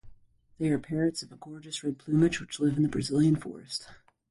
They are parrots of a gorgeous red plumage which live in the Brazilian forest.